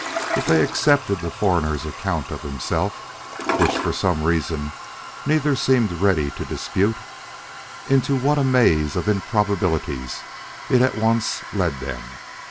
If they accepted the foreigner's account of himself, which for some reason neither seemed ready to dispute, into what a maze of improbabilities it at once led them!